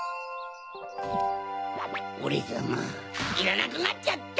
オレさまいらなくなっちゃった！